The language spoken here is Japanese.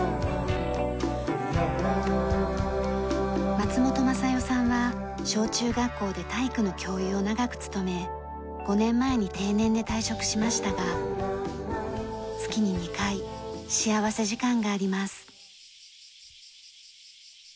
松本昌代さんは小中学校で体育の教諭を長く務め５年前に定年で退職しましたが月に２回幸福時間があります。